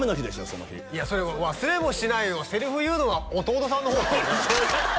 その日いや忘れもしないはセリフ言うのは弟さんの方っすよね？